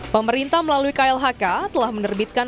pemerintah melalui klhk telah menerbitkan